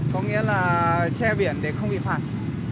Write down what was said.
có nghĩa là che biển để không bị phạt